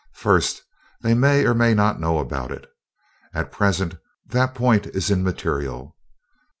"First, they may or may not know about it. At present, that point is immaterial.